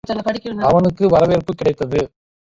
அவனுக்கு வரவேற்புக் கிடைத்தது.